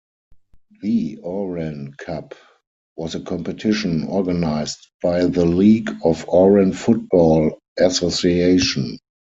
The Oran Cup was a competition organized by the League of Oran Football Association.